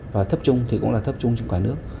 và thấp trung thì cũng là thấp chung trong cả nước